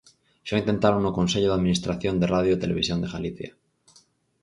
Xa o intentaron no Consello de Administración da Radio e Televisión de Galicia.